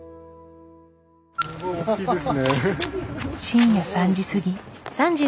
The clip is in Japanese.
深夜３時過ぎ。